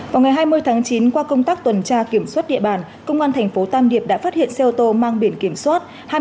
vào ngày hai mươi tháng chín qua công tác tuần tra kiểm soát địa bàn công an thành phố tam điệp đã phát hiện xe ô tô mang biển kiểm soát